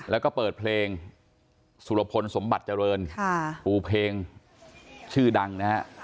แล้วก็เปิดเพลงสุรพลสมบัติเจริญปูเพลงชื่อดังนะฮะ